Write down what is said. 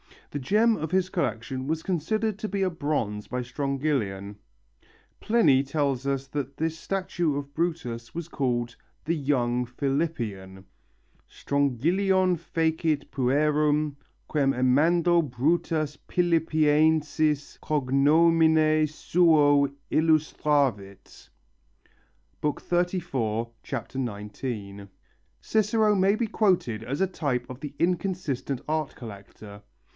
The gem of his collection was considered to be a bronze by Strongylion. Pliny tells us that this statue of Brutus was called "the young Philippian," Strongylion fecit puerum, quem amando Brutus Philippiensis cognomine suo illustravit (XXXIV, 19). Cicero may be quoted as a type of the inconsistent art collector.